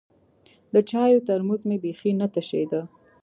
د چايو ترموز مې بيخي نه تشېده.